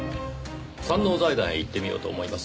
山王財団へ行ってみようと思います。